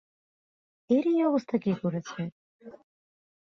এর এই অবস্থা কে করেছে?